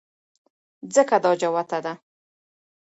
ځکه چې دا جوته ده